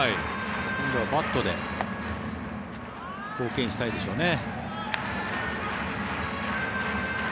今度はバットで貢献したいでしょうね。